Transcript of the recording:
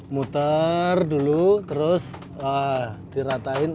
muter dulu terus diratakan